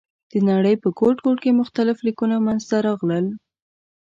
د نړۍ په ګوټ ګوټ کې مختلف لیکونه منځ ته راغلل.